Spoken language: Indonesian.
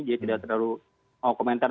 jadi tidak terlalu mau komentar